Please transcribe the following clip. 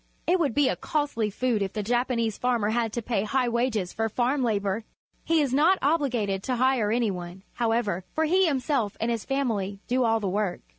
It would be a costly food if the Japanese farmer had to pay high wages for farm labour. He is not obliged to hire any one, however, for he himself and his family do all the work.